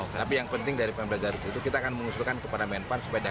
tapi yang penting dari pemerintah garut itu kita akan mengusulkan kepada pemerintah